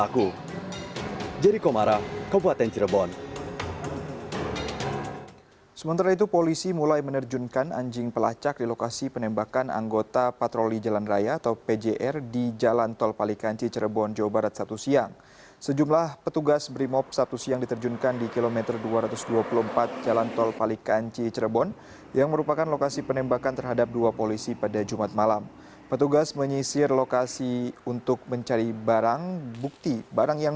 kondisi ketiga korban cukup stabil dan masih sadar